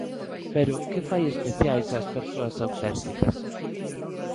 Pero, que fai especiais ás persoas auténticas?